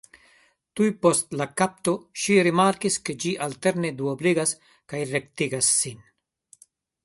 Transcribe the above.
Tuj post la kapto ŝi rimarkis ke ĝi alterne duobligas kaj rektigas sin.